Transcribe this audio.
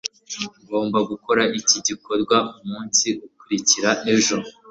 ngomba gukora iki gikorwa umunsi ukurikira ejo